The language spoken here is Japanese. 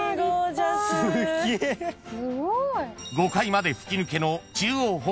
［５階まで吹き抜けの］